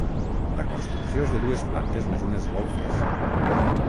La construcció és de dues plantes més unes golfes.